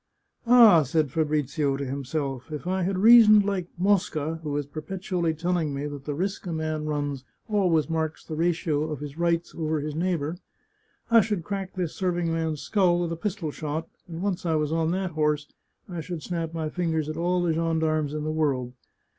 179 The Chartreuse of Parma " Ah," said Fabrizio to himself, " if I had reasoned like Mosca, who is perpetually telling me that the risk a man runs always marks the ratio of his rights over his neighbour, I should crack this serving man's skull with a pistol shot, and once I was on that horse, I should snap my fingers at all the gendarmes in the world.